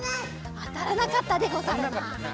あたらなかったでござるな。